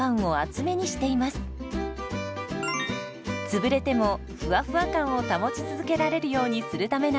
つぶれてもふわふわ感を保ち続けられるようにするためなんです。